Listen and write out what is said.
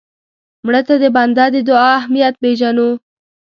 مړه ته د بنده د دعا اهمیت پېژنو